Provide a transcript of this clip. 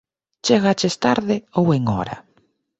Chegaches tarde, ou en hora?